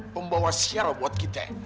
pembawa sial buat kita